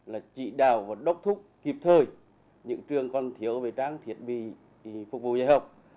là chỉ đào và đốc thúc kịp thời những trường còn thiếu về trang thiết bị phục vụ dạy học